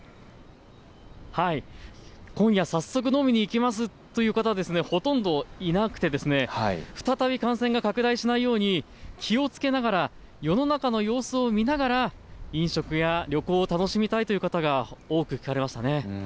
今夜、早速飲みに行きますという方はほとんどいなくて再び感染が拡大しないように気をつけながら世の中の様子を見ながら飲食や旅行を楽しみたいという方が多く聞かれました。